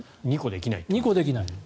２個できない。